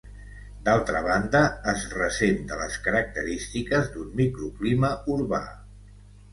D'altra banda, es ressent de les característiques d'un microclima urbà.